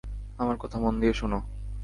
আমার কথা মন দিয়ে শোনো।